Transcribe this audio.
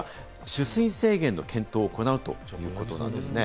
取水制限の検討を行うということなんです。